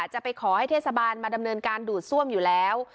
จะไปขอให้เทศบาลมาดำเนินการดูดซ่วมอยู่แล้ว